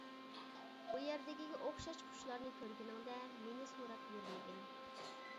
بۇ يەردىكىگە ئوخشاش قۇشلارنى كۆرگىنىڭدە، مېنى سوراپ يۈرمىگىن.